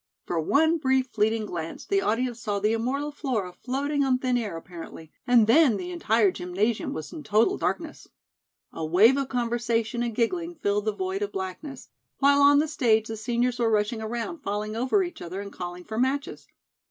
For one brief fleeting glance the audience saw the immortal Flora floating on thin air apparently, and then the entire gymnasium was in total darkness. A wave of conversation and giggling filled the void of blackness, while on the stage the seniors were rushing around, falling over each other and calling for matches.